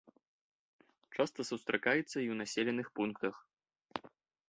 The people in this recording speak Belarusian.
Часта сустракаецца і ў населеных пунктах.